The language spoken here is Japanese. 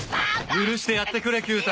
許してやってくれ九太